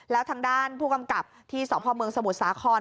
แล้วทางด้านผู้กำกับที่สพเมืองสมุทรสาคร